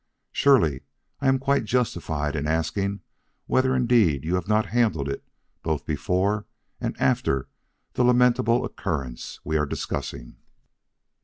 Surely, I am quite justified in asking whether indeed you have not handled it both before and after the lamentable occurrence we are discussing?"